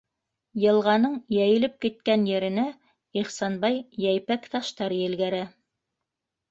Йылғаның йәйелеп киткән еренә Ихсанбай йәйпәк таштар елгәрә: